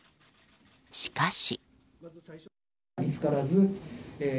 しかし。